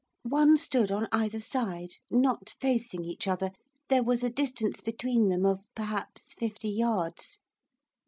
One stood on either side, not facing each other, there was a distance between them of perhaps fifty yards.